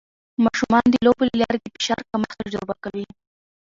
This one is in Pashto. ماشومان د لوبو له لارې د فشار کمښت تجربه کوي.